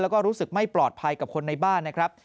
แล้วก็รู้สึกไม่ปลอดภัยกับคนในบ้านนะครับ